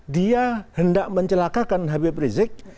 dia hendak mencelakakan habib rizik